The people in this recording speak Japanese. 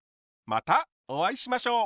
またお会いしましょう！